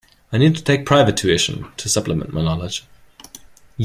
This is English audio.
I need to take private tuition to supplement my knowledge.